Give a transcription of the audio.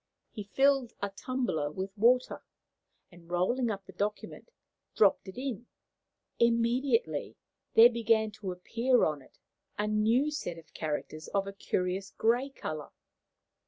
He filled a tumbler with water, and, rolling up the document, dropped it in. Immediately there began to appear on it a new set of characters of a curious grey colour.